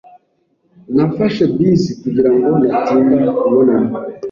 Nafashe bisi kugirango ntatinda kubonana.